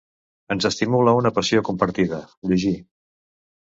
Ens estimula una passió compartida: llegir.